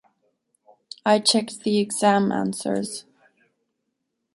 I checked the exam answers.